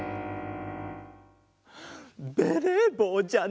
ベレーぼうじゃない！